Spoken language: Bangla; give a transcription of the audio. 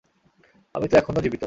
আমি তো এখনও জীবিত।